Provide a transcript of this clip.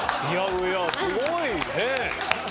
いやすごいよね。